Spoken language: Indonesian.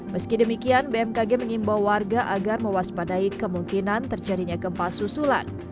meski demikian bmkg mengimbau warga agar mewaspadai kemungkinan terjadinya gempa susulan